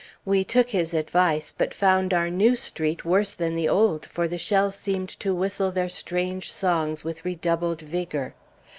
We took his advice, but found our new street worse than the old, for the shells seemed to whistle their strange songs with redoubled vigor.